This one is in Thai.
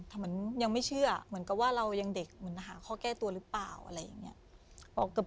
แต่เหมือนยังไม่เชื่อเหมือนกับว่าเรายังเด็กเหมือนหาข้อแก้ตัวหรือเปล่าอะไรอย่างนี้